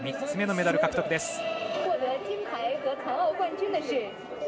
３つ目のメダル獲得です。